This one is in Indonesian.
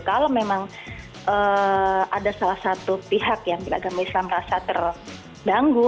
kalau memang ada salah satu pihak yang beragama islam rasa terganggu